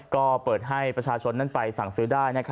ก็เปิดให้ประชาชนนั้นไปสั่งซื้อได้